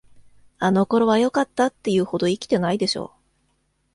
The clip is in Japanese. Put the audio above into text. あの頃はよかった、って言うほど生きてないでしょ。